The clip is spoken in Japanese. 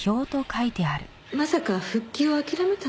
まさか復帰を諦めたって事？